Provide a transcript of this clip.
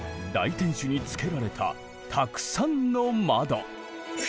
大天守につけられたたくさんの窓。